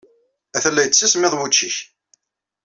Atan la yettismiḍ wučči-nnek.